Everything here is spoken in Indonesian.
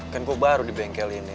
kan gua baru di bengkel ini